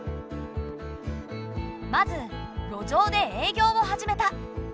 まず路上で営業を始めた。